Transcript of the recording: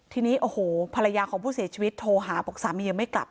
ทีนี้โอ้โหภรรยาของผู้เสียชีวิตโทรหาบอกสามียังไม่กลับ